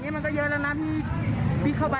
ยังไงก็ได้พี่ผมยังยังไงก็ได้